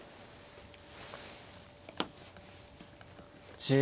１０秒。